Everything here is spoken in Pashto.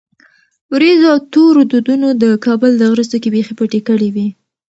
ورېځو او تورو دودونو د کابل د غره څوکې بیخي پټې کړې وې.